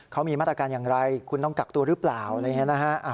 เขามีมาตรการอย่างไรคุณต้องกักตัวหรือเปล่าอะไรอย่างนี้นะฮะ